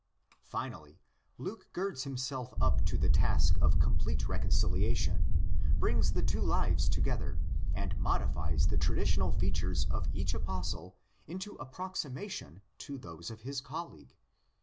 Finally, Luke girds himself up to the task of complete reconcilia tion, brings the two lives together, and modifies the traditional features of each Apostle into approximation to those of his colleague.